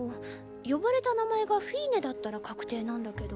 呼ばれた名前がフィーネだったら確定なんだけど。